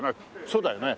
そうだよね？